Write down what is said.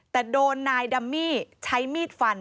แต่โดนนายดัมมี่ใช้มีดฟัน